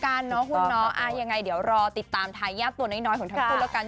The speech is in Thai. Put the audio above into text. อ่านยังไงเดี๋ยวรอติดตามทรายหญาตรัสตัวน้อยของทั้งคู่ละกัน